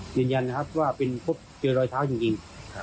ยืนยันว่าเจอรอยเท้าจริง